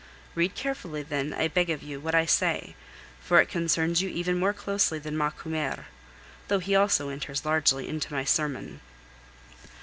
Read carefully then, I beg of you, what I say, for it concerns you even more closely than Macumer, though he also enters largely into my sermon.